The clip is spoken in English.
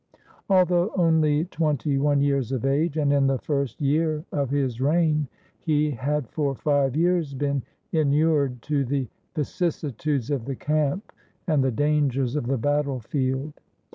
Although only twenty one years of age, and in the first year of his reign, he had for five years been inured to the vicissitudes of the camp and the dangers of the battle field.